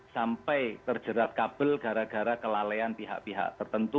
sampai terjerat kabel gara gara kelalaian pihak pihak tertentu